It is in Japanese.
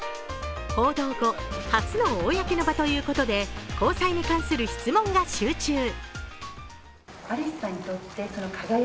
報道後、初の公の場ということで交際に関する質問が集中。